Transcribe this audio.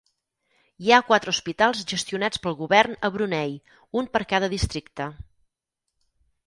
Hi ha quatre hospitals gestionats pel govern a Brunei, un per cada districte.